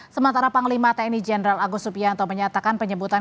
sementara panglima tni jenderal agus subianto menyatakan penyebutan